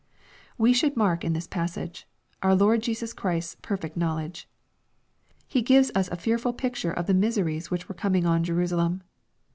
We should mark in this passage, our Lord Jesvs Ohrisis 'perfect knowledge. He gives us a fearful picture of the miseries which were coming on Jerusalem.